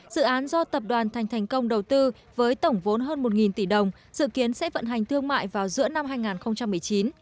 dự án do tập đoàn thành thành công đầu tư với tổng vốn hơn một tỷ đồng dự kiến sẽ vận hành thương mại vào giữa năm hai nghìn một mươi chín